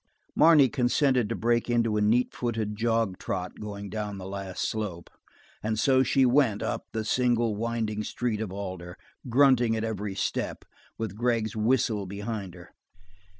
Marne consented to break into a neat footed jog trot going down the last slope, and so she went up the single winding street of Alder, grunting at every step, with Gregg's whistle behind her.